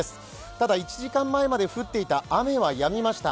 ただ、１時間前まで降っていた雨はやみました